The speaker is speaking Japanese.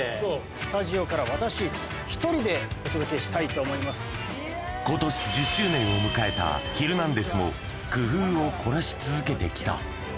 スタジオから私１人でお届けことし１０周年を迎えたヒルナンデス！も、工夫を凝らし続けてきた。